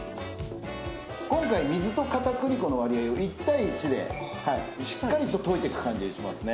今回、水と片栗粉の割合を１対１でしっかりと溶いていく感じにします。